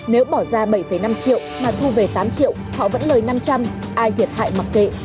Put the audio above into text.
nếu bỏ ra bảy năm triệu mà thu về tám triệu họ vẫn lời năm trăm linh ai thiệt hại mặc kệ